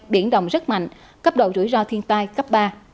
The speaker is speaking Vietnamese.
biển động rất mạnh cấp độ rủi ro thiên tai cấp ba